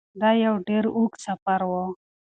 دا یو ډیر اوږد سفر و.